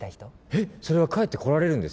えっそれは帰ってこられるんですか？